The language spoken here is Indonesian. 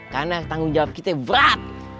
karena tanggung jawab kita berat